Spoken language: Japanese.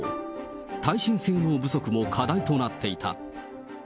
耐震性能不足も課題となっていた。